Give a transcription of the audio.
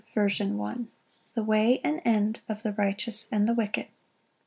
Common Metre, The way and end of the righteous and the wicked.